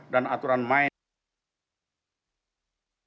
dan aturan main